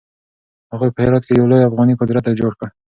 هغوی په هرات کې يو لوی افغاني قدرت جوړ کړ.